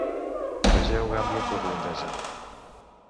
Vegeu Gàmbia Curlandesa.